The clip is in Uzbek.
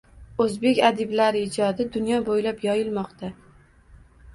O‘zbek adiblari ijodi dunyo bo‘ylab yoyilmoqda